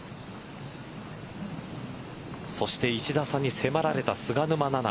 そして１打差に迫られた菅沼菜々。